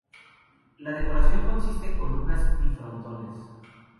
La decoración consiste en columnas y frontones.